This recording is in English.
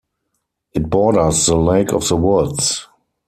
It borders the Lake of the Woods.